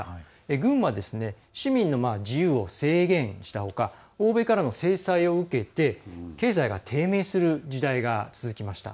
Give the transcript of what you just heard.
軍は、市民の自由を制限したほか欧米からの制裁を受けて経済が低迷する時代が続きました。